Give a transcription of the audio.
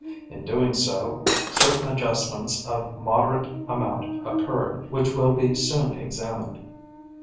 In doing so, certain adjustments of moderate amount occurred, which will be soon examined.